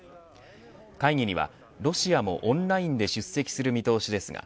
会議にはロシアもオンラインで出席する見通しですが